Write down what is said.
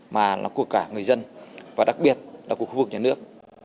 mà là của cả người dân và đặc biệt là của khu vực nhà nước